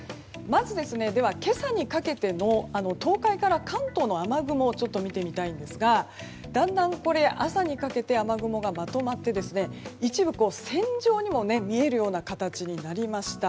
まず、今朝にかけての東海から関東の雨雲を見てみたいんですがだんだん、朝にかけて雨雲がまとまって一部、線状にも見えるような形になりました。